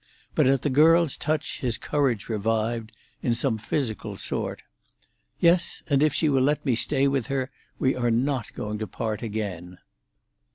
But at the girl's touch his courage revived—in some physical sort. "Yes, and if she will let me stay with her, we are not going to part again."